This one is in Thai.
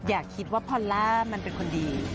อย่าคิดว่าพอลล่ามันเป็นคนดี